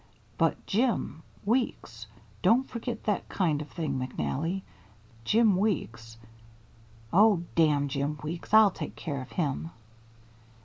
"But Jim Weeks don't forget that kind of thing, McNally Jim Weeks " "Oh, damn Jim Weeks! I'll take care of him."